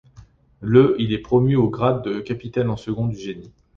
Le il est promu au grade de capitaine en second du génie.